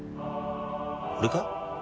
俺か？